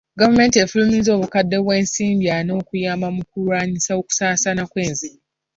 Gavumenti efulumizza obukadde bw'ensimbi ana okuyamba mu kulwanyisa okusaasaana kw'enzige.